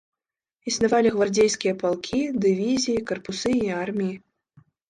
Існавалі гвардзейскія палкі, дывізіі, карпусы і арміі.